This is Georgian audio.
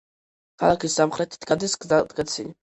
ქალაქის სამხრეთით გადის გზატკეცილი.